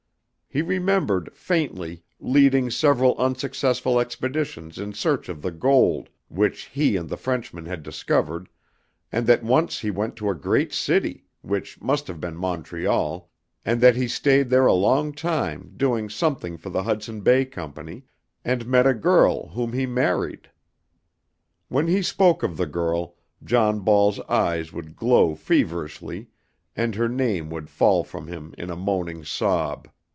He remembered, faintly, leading several unsuccessful expeditions in search of the gold which he and the Frenchmen had discovered, and that once he went to a great city, which must have been Montreal, and that he stayed there a long time doing something for the Hudson Bay Company, and met a girl whom he married. When he spoke of the girl John Ball's eyes would glow feverishly and her name would fall from him in a moaning sob.